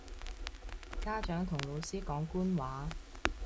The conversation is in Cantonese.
家長同老師講官話